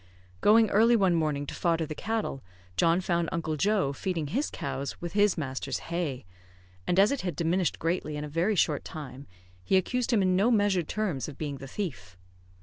Going early one morning to fodder the cattle, John found Uncle Joe feeding his cows with his master's hay, and as it had diminished greatly in a very short time, he accused him in no measured terms of being the thief.